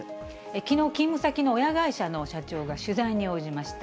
きのう、勤務先の親会社の社長が取材に応じました。